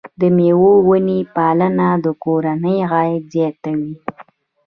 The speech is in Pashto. د مېوو ونې پالنه د کورنۍ عاید زیاتوي.